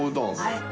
はい。